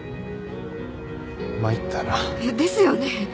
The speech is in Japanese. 参ったな。ですよね。